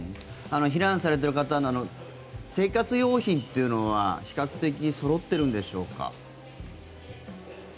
避難されている方の生活用品というのは比較的そろっているんでしょうか。